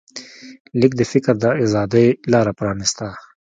لیک د فکر د ازادۍ لاره پرانسته.